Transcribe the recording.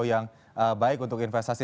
yang baik untuk investasi